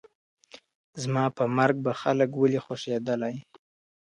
زما په مرگ به خلک ولي خوښېدلای.